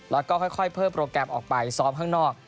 แล้วก็ค่อยเพิ่มโปรแกรมออกไปซ้อมข้างนอก